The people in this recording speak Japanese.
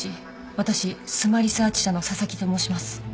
私スマ・リサーチ社の紗崎と申します。